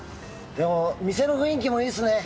店の雰囲気もいいですね。